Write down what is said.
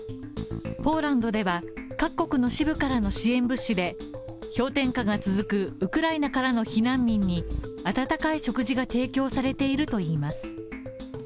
ポーランドでは各国の支部からの支援物資で氷点下が続くウクライナからの避難民に温かい食事が提供されているといいます。